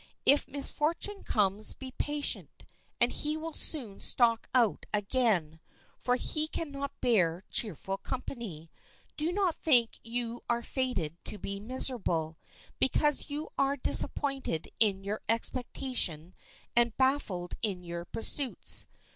If misfortune comes be patient, and he will soon stalk out again, for he can not bear cheerful company. Do not think you are fated to be miserable, because you are disappointed in your expectation and baffled in your pursuits.